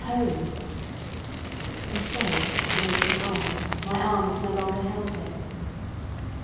home!" And so in a little while my arms no longer held him.